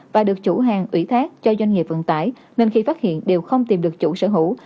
và được chủ hàng ủy thác cho doanh nghiệp vận tải nên khi phát hiện đều không tìm được chủ sở hữu